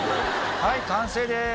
はい完成です！